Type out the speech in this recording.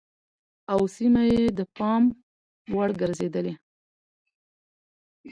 او سيمه يې د پام وړ ګرځېدلې